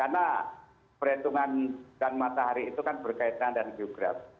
karena perhitungan dan matahari itu kan berkaitan dengan geografi